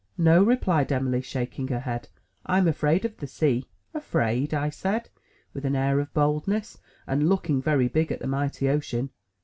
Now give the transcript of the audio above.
'*No," replied Em'ly, shaking her head. 'Tm afraid of the sea." "Afraid!" I said, with an air of boldness, and looking very big at the mighty ocean.